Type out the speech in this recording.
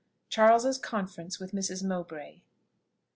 CHARLES'S CONFERENCE WITH MRS. MOWBRAY.